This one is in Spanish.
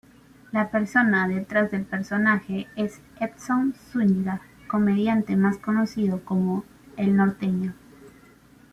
La persona detrás del personaje es Edson Zúñiga, comediante más conocido como "El Norteño".